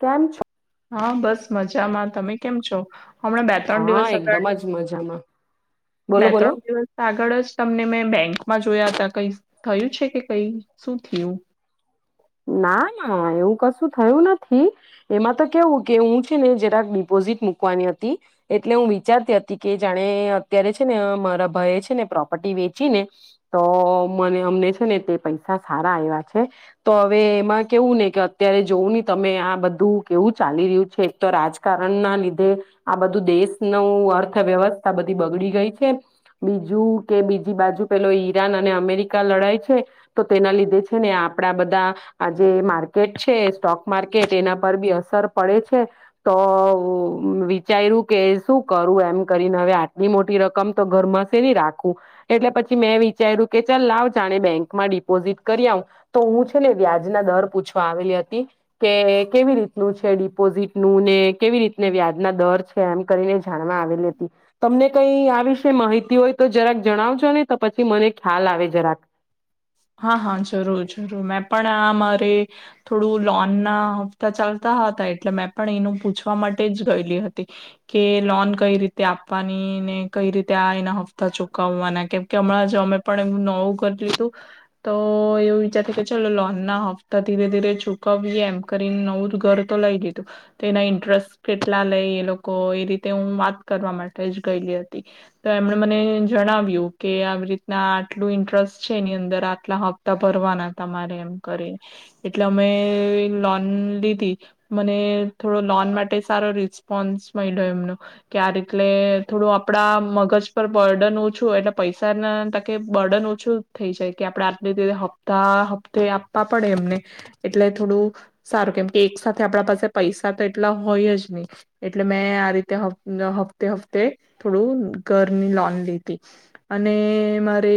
કેમ છો? હા બસ મજા. ચામાં તમે કેમ છો હમણાં બે ત્રણ હા દિવસ એકદમ આગ જ મજામાં બોલો બે બોલો ત્રણ દિવસ આગળ જ તમને મેં બેંક માં જોયા હતા કઈ થયું છે કે કઈ શું થયું ના ના એવું કશું થયું નથી એમાં તો કેવું કે હું છે ને જરાક ડિપોઝિટ મૂકવાની હતી એટલે હું વિચારતી હતી કે જાણે અત્યારે છે ને મારા ભય છે ને પ્રોપર્ટી વેચી ને તો મને અમને છે ને તે પૈસા સારા આવ્યા છે તો હવે એમાં કેવું ને કે અત્યારે જોવું ને તમે આ બધું કેવું ચાલી રહ્યું છે એક તો રાજકારણ ના લીધે આ બધું દેશનું અર્થવ્યવસ્થા બધી બગડી ગઈ છે બીજું કે બીજી બાજુ પેલો ઈરાન અને અમેરિકા લડાય છે તો તેના લીધે છે ને આપણા બધા બધા આજ માર્કેટ છે સ્ટોક માર્કેટ એના પર બી અસર પડે છે તો વિચાર્યું કે શું કરું એમ કરીને હવે આટલી મોટી રકમ તો ઘરમાંસે નની રાખવું એટલે પછી મેં વિચાર્યું કે ચાલ લાવ જાણે બેંકમાં ડિપોઝિટ કરી આવું તો હું છે ને વ્યાજના દર પૂછવા આવેલી હતી કે કેવી રીતનું છે ડિપોઝિટનુંું ને કેવી રીતને વ્યાજ ના દર છે એમ કરીને જાણવા આવેલી હતી તમને કઈ આ વિશે માહિતી હોય તો જરાક જણાવજો ને તો પછી મને ખ્યાલ આવે જરાક હા હા જરૂર જરૂર મેં પણ આ મારે થોડું લોન ના હપ્તા ચાલતા હતા એટલે મેં પણ એનું પૂછવા માટે જ ગયેલી હતી કે લોન કઈ રીતે આપવાની ને કઈ રીતે આ એના હપ્તા ચુકવવાના કેમ કે હમણાં જે અમે પણ એ નવું કર હતું તો એવું વિચાર કે ચલો લોન ના હપ્તા ધીરે ધીરે ચુકવીએ એમ કરીને નવું ઘર તો લઈ લીધું તો એના ઇન્ટરેસ્ટ કેટલા લે એ લોકો એ રીતે હું વાત કરવા માટે જ ગયેલી હતી તો એમણે મને જણાવ્યું કે આવી રીતના આટલું ઇન્ટરેસ્ટ છે એની અંદર આટલા હપ્તા ભરવાના તમારે એમ કરીને એટલે અમે લોન લીધી મને થોડો લોન માટે સારો રિસ્પોન્સ મળ્યો એમનો કે આ રીતે થોડું આપડા મગજ પર બર્ડન ઓછું એટલે પૈસા ના ત કે બર્ડન ઓછું આપણે આટ હપ્તા હપ્તે આપવા પડે એમને એટલે થોડું સારું કેમ કે એક સાથે આપડા પાસે પૈસા તો એટલા હોય જ નહી એટલે મેં આ રીતે હપ્તે હ્તે થોડું ઘરની લોન લીધી અને મારે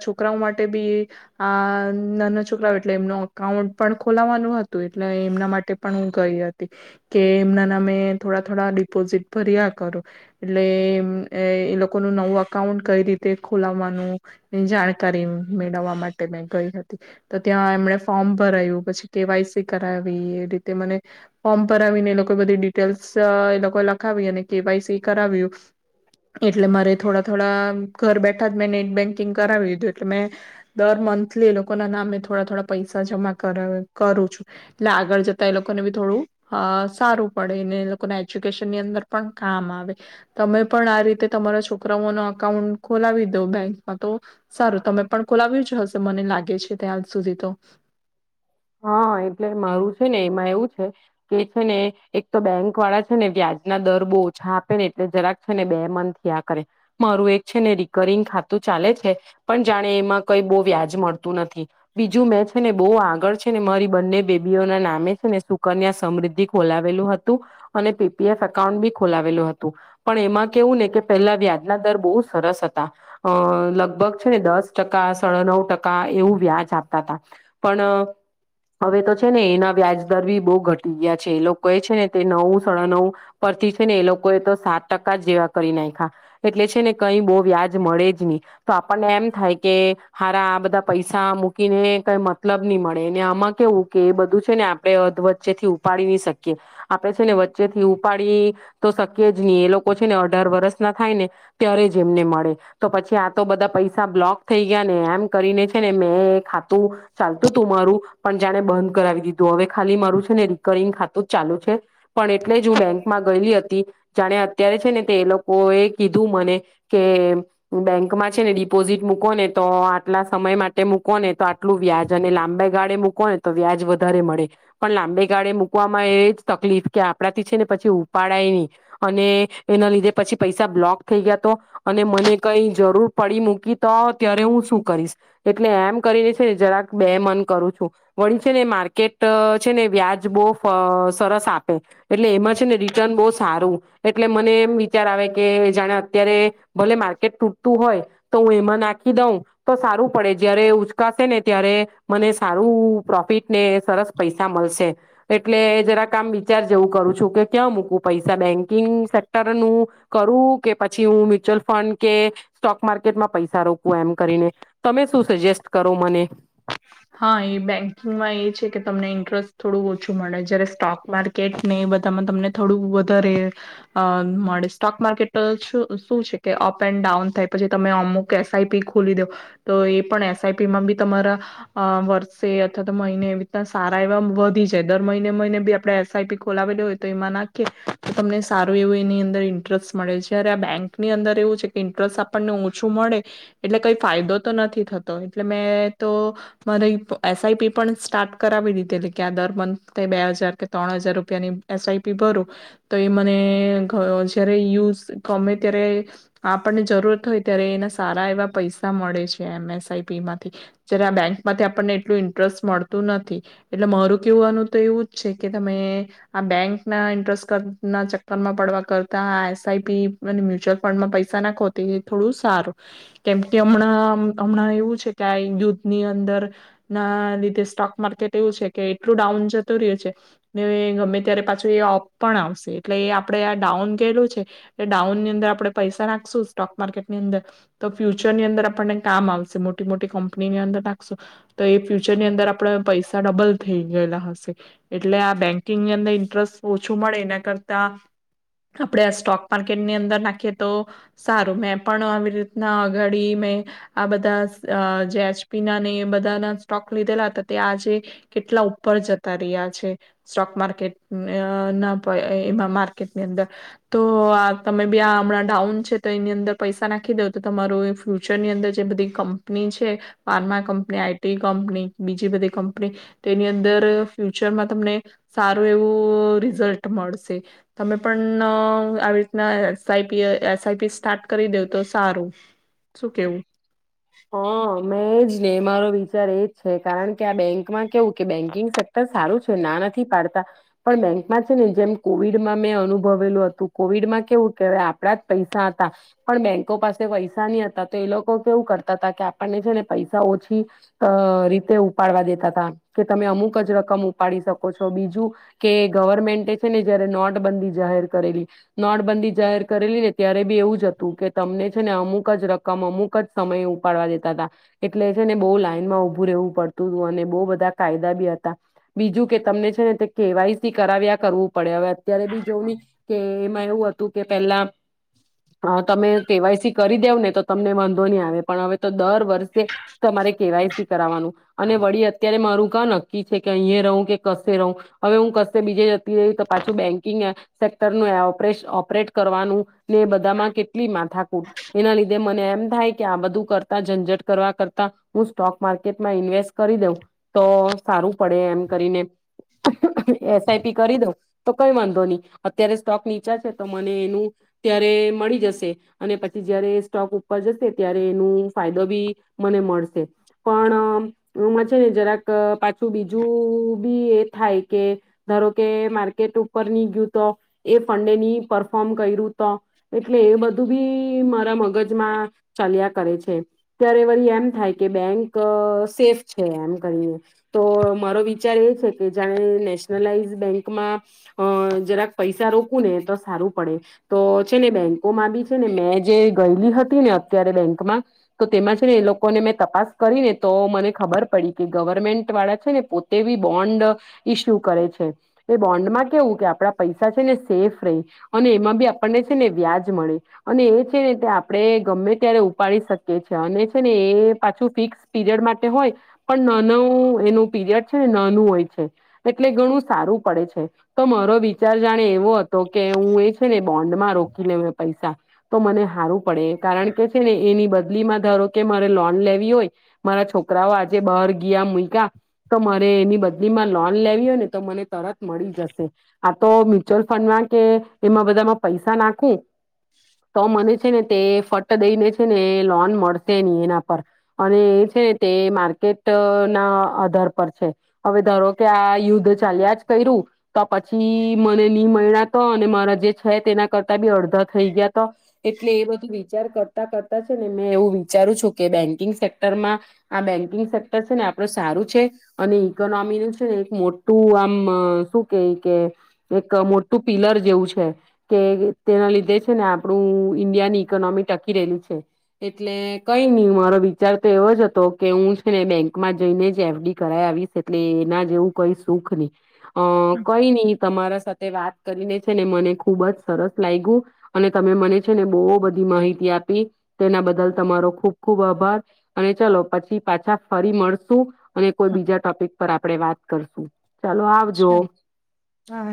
છોકરાઓ માટે બી આ નાના છોકરાઓ એટલે એમનું અકાઉન્ટ પણ ખોલાવાનું હતું એટલે એમના માટે પણ હું ગઈ હતી કે એમના નામે થોડા થોડા ડિપોઝિટ ભર્યા કરું એટલે અ એ લોકો ન નવું અકાઉન્ટ કઈ રીતે ખોલાવાનું જાણકારી મેળવવા માટે મેં ગઈ હતી તો ત્યાં એમણે ફોર્મ ભરાયું પછી કેવાયસી કરાવી એ રીતે મને ફોર્મ ભરાવીને એ લોકો બધી ડિટેલ્સ એ લોકો લખાવી અને કેવાયસી કરાવ્યું એટલે મારે થોડા થોડા ઘર બેઠા જ મેં નેટ બેંક કરાવી દીધું એટલે મેં દર મંથલી એ લોકોના નામે થોડા થોડા પૈસા જમા કર કરું છું તો સારું તમે પણ ખોલાવ્યું જ હશે મને લાગે છે ત્યાજ સુધી તો હા એટલે મારું છે ને એમાં એવું છે કે છે ને એક તો બેંક વાળા છે ને વ્યાજ ના દર મારી બંને બેબીઓ ના નામે છે ને સુકન્યા સમૃદ્ધિ ખોલાવેલું હતું અને પીપીએફ એકાઉન્ટ બી હવે તો છે ને એના વ્યાજ દર બી બહુ ઘટી ગયા છે એ લોકો એ છે ને તે નવું સડા નવ પરથી છે ને એ લોકો એ તો સાત ટકા જ જેવા કરી નાખ્યા એટલે છે ને કઈ બહુ વ્યાજ મળે જ નહી તો આ હારા આ બધા પૈસા કીને કઈ મતલબ નહી મળે. ને આમાં કેવું કે એ બધું છે ને આપડે અ વચ્ચે થી ઉપાડી નહી શકીએ આપણે છે ને વચ્ચે થી ઉપાડી તો શકીયએ જ નહી એ લોકો છે ને અઢાર વરષ ના થાય ને ત્યારે જ એમને મળે તો પછી આ તો બધા પૈસા બ્લોક થઈ ગયા ને એમ કરીને છે ને મેં ખાતું ચાલતું તું મારું પણ જાણે બંધ કરાવી દીધું હવે ખાલી મારું છે ને રિકરિંગ ખાતું જ ચાલુ છે પણ એટલે જ હું બેંકમાં ગયેલી હતી જાણે અત્યારે છે ને તે એ લોકો એ કીધું મને કે બેંકમાં છે ને ડિપોઝિટ મૂકો ને તો આટલા સમય માટે મૂકો ને તો આટલું વ્યાજ અને લાંબે ગાળે મૂક મૂકો ને તો વ્યાજ વધારે મળે પણ લાંબે ગાળે મૂકવામાં એ જ તકલીફ કે આપડાથી છે ને પછી ઉપાડાય નહી અને એના લીધે પછી પૈસા બ્લોક થઈ ગયા તો. અને મને કઈ જરૂર પડી મૂકી તો ત્યારે હું શું કરીશ એટલે એમ કરીને છે જરાક બે મન કરું છું. વળી છે ને માર્કેટ છે ને વ્યાજ બહુ સરસ આપે એટલે એમાં છે ને રિટર્ન બહુ સારું એટલે મને એમ વિચાર આવે કે જાણે અત્યારે ભલે માર્કેટ તૂટતું હોય. તો હું એમાં નાખી દઉં તો સારું પડે જયારે ઉચકાશે ને ત્યારે મને સારું પ્રોફિટ ને સરસ પૈસા મળશે એટલે જરાક આમ વિચાર જેવું કરું છું કે ક્યા મૂકું પૈસા બેન્કિંગ સેક્ટર નું કરું કે પછી હું મ્યુચ્યુઅલ ફંડ કે સ્ટોક માર્કેટમાં પૈસા રોકું એમ કરીને તમે શું સજેસ્ટ કરો મને. હા એ બેંકિંગમાં એ છે કે તમને ઇન્ટરેસ્ટ થોડું ઓછું મળે જયારે સ્ટોક માર્કેટ ને એ બધામાં તમને થોડું વધારે આ મળે સ્ટોક માર્કેટ શું છે કે અપ એન્ડ ડાઉન થાય પછી તમે અમુક એસઆઈપી ખોલી દો તો એ પણ એસઆઈપીમાં બી તમારા અ વર્ષે અથવા તો મહિને એ રીતના સારા એવા વધી જાય દર મહિને મહિને બી આપણે એસ આઈ પી ખોલાવેલી હોય તો એમાં નાખીએ તો તમને સારું એવું એની અંદર ઇન્ટરેસ્ટ મળે જયારે આ બેંકની અંદર એવું છે કે ઇન્ટરેસ્ટ આપણને ઓછું મળે એટલે કઈ ફાયદો તો નથી થતો એટલે મેં તો મને એસ આઈ પી પણ સ્ટાર્ટ કરાવી દીધેલી કે આ દર મંથ બે હજાર કે ત્રણ હજાર રૂપિયાની એસ આઈ પી ભરું તો એ મને જય્યારે યુઝ ગમે ત્યારે આપણને જરૂરત હોય ત્યારે એના સારા એવા પૈસા મળે છે એમ એસ આઈ પી માંથી જયારે આ બેંક માંથી આપણને એટલું ઇન્ટરેસ્ટ મળતું નથી એટલે મારું કેહેવુંવાનું તો એવું જ છે કે તમે આ બેંકના ઇન્ટરેસ્ટના ચક્કરમાં પડવા કરતા આ એસ આઈ પી અને મ્યુચ્યુઅલ ફંડમાં પૈસા નાખો તે એ થોડું સારું કેમકે હમણાં હમણાં એવું છે કે આ યુદ્ધની અંદર ના લીધે સ્ટોક માર્કેટ એવું છે કે એટલું ડાઉન જતું રહ્યું છે ને ગમે ત્યારે પાછું એ અપ પણ આવશે એટલે એ આપણેે આ ડાઉન કેલું છે એ ડાઉન ની અંદર આપણે પૈસા નાખશું સ્ટોક માર્કેટ ની અંદર તો ફ્યુચર ની અંદર આપણને કામ આવશે મોટી મોટી કંપનીની અંદર નાખ નાખશું તો એ ફ્યુચરની અંદર આપણે પૈસા ડબલ થઈ ગયેલા હશે એટલે આ બેન્કિંગની અંદર ઇન્ટરેસ્ટ ઓછું મળે એના કરતા આપણે આ સ્ટોક માર્કેટની અંદર નાખીએ તો સારું મેં પણ આવી રીતના આ ગાડી મે આ બધા આ જે [unintelligible] ની ના ને બધાના સ્ટોક લીધેલા હતા તે આજે કેટલા ઉપર જતા રહ્યા છે સ્ટોક માર્કેટ ના એમાં માર્કેટની અંદર તો તમે બી આ હમણાં ડાઉન છે તો એની અંદર પૈસા નાખી દવ તો તમારું ફ્યુચરની અંદર જે બધી કંપની છે. ફાર્મા કંપની, આઈટી કંપની બીજી બધી કંપની, તો એની અંદર ફ્યુચરમાં તમને સારું એવું રિઝલ્ટ મળશે તમે પણ ણ આવી રીતના S I P S I P start કરી દેવ તો સારું, શું કેવું? હા મેં એજ ને મારો વિચાર એ જ છે કારણ કે આ બેંકમાં કેવું કે બેન્કિંગ સક્ટર સારું છે ના નથી પાડતા, પણ બેંકમા છે ને જેમ કોવિડમાં મેં અનુભવેલું હતું, કોવિડમાં કેવું કેહવે [unintelligible] આપડા જ પૈસા હતા, પણ બેંકો પાસે પૈસા નિ હતા તો એ લોકો કેવું કરતા કરતા આપને જેને પૈસા ઓછી અ રીતે ઉપાડવા દેતાતા, કે તમે અમુક જ રકમ ઉપાડી શકો છો, બીજું કે ગવર્મેન્ટે છે ને જયારે નોટબંધી જાહેર કરેલી, નોટબંધી જાહેર કરેલી ને ત્યારે બી એવું જ હતું કે તમને છે ને અમુક જ રકમ અમુક જ સમયે [unintelligible] ઉપાડવા દેતાતા, એટલે છે ને બહુ લાઈનમાં ઊભું રહેવું પડતું, અને બો બધા કાયદા બી હતા, બીજું કે તમને છે ને તે કેવાયસી કરાવ્યા કરવું પડે, હવે અત્યારે બી જોવની કે એમાં એવું હતું કે પેલા, અ તમે કેવાયસી કરી દેવ ને તો તમને વાંધો નિ આવે પણ હવે તો દર વર્ષે તમારે કેવાયસી કરાવવાનું. અને વળી અત્યારે મારું કા નક્કી છે કે અંયે રવ કે કશે રવ, હવે હું કશે બીજે જતી રય તો પાછું બેંકિંગ અ સેક્ટર [unintelligible] ઓર્પોરેશ ઓપરેટ કરવાનું, ને એ બધામાં કેટલી માથાકૂટ, એના લીધે મને એમ થાય કે આ બધું કરતા જનજટ કરવા કરતા, હું સ્ટોક માર્કેટમાં ઈન્વેસ્ટ કરી દઉં, તો સારું પડે એમ કરીને [unintelligible] એસઆઈપી કરી દઉ તો કઈ વાંધો નિ, અત્યારે સ્ટોક નીચા છે તો મને એનું ત્યારે મળી જશે, અને પછી જયારે સ્ટોક ઉપર જશે ત્યારે એનું ફાયદો બી મને મળ [unintelligible] પણ અમ એવુંમા છે ને જરાક અ પાછું બીજું બી એ થાય કે, ધારો કે માર્કેટ ઉપર ની ગયું તો, એ ફંડે ની પરફોર્મ કર્યું તો, એટલે એ બધું બી મારા મગજમાં ચાલ્યા કરે છે. [unintelligible] ત્યારે વરી એમ થાય, કે બેંક અ સેફ છે એમ કરીએ, તો મારો વિચાર એ છે કે જાણે નેશનલાઈઝ બેંકમાં અ જરાક પૈસા રોકું ને તો સારું પડે, તો છે ને બેંકોમાં બી છે ને મેં જે ગયેલી હતી ને અત્યારે બેંકમાં તો તેમાં છે ને એ લોકોને મેં તપાસ કરી ને તો મને ખબર પડી કે ગવર્મેન્ટ વાળા છે ને પોતે બી બોન્ડ અ ઈસ્યુ કરે છે, એ બોન્ડ માં કેવું કે આપળા પૈસા છે ને સેફ રય, અને એમાં બી આપણને છે ને વ્યાજ મળે અને એ છે ને તે આપળે ગમે ત્યારે ઉપાડી શક કે છે અને છે ને એ પાછું ફિક્સ પીરિયડ માટે હોય, પણ નાનું એનું પીરિયડ છે ને નાનું હોય છે, એટલે ઘણું સારું પડે છે, તો મારો વિચાર જાણે એવો હતો કે હું એ છે ને બોન્ડમાં રોકી [unintelligible] પૈસા તો મને હારું પડે, કારણ કે છે ને એની [unintelligible] બદલીમાં ધાર કે મારે લોન લેવી હોય, મારા છોકરાઓ આજે બાર ગિયા મુય્કા તો મારે એની બદલીમાં લોન લેવી હોય ને તો મને તરત મળી જશે આ તો મ્યુઅલ ફંડ માં કે, એમાં બધામાં પૈસા નાખું તો મનેજ છે ને તે ફટ દેને છે ને લોન મળશે નિ એના પર, અને એ છેને તે માર્કેટ અ ના આધાર પર છે, હવે ધારો કે આ યુદ્ધ ચાલ્યા જ કર્યું તો પછી મને ની મૈળા તો, અને મારા જે છે તેના કરતા બી અડધા થઈ ગયા તો, એટલે એ બધું વિચાર કરતા કરતા જ [unintelligible] મેં એવું વિચારું છું કે બેંકિંગ સેક્ટરમાં આ બેન્કિંગ સેક્ટર છે ને આપડું સારું છે, અને ઈકોનોમીનું છે ને એક મોટું આમ અ શું કઈ કે એક મોટું પિલર જેવું છે, કે તેના લીધે છે ને આપળુ ઈન્ડિયાની ઈકોનોમી ટકી રહેલી છે. એટલે કઈ નિ મારો વિચાર તો એવો જ હતો કે ઉુ છે ને બેંકમાં જઈને જ એફડી કરાય આવીશ એટલે એના જેવું કઈ સુખ નિ. અ કઈ નિ તમારા સાથ તે વાત કરીને છે ને મને ખુબ જ સરસ લાયગુ, અને તમે મને છે ને બો બધી માહિતી આપી તેના બદલ તમારો ખુબ ખુબ આભાર, અને ચલો પછી પાછા ફરી મળશું અને કોઈ બીજા ટોપિક પર આપ આપળે વાત કરશું ચાલો આવજો. અચ્છા હા